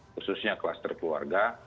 khususnya cluster keluarga